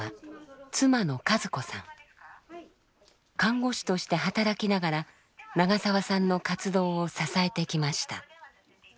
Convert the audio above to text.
看護師として働きながら長澤さんの活動を支えてきました。